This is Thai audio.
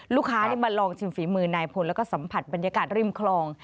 ลูกค้ามาลองชิมฝีมือนายพลแล้วก็สัมผัสบรรยากาศริมคลอง